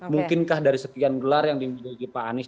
mungkinkah dari sekian gelar yang dimiliki pak anies